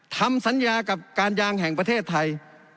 ทำสัญญากับการยางแห่งประเทศไทย